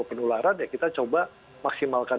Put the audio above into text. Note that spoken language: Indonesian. penularan ya kita coba maksimalkan